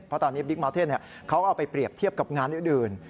เพราะตอนนี้บิ๊กเมาเท่นเขาเอาไปเปรียบเทียบกับงานอื่น